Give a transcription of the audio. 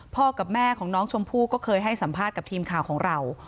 กับแม่ของน้องชมพู่ก็เคยให้สัมภาษณ์กับทีมข่าวของเรา